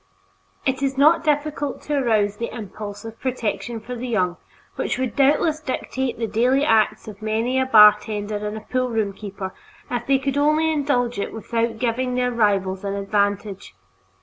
It is not difficult to arouse the impulse of protection for the young, which would doubtless dictate the daily acts of many a bartender and poolroom keeper if they could only indulge it without giving their rivals an advantage.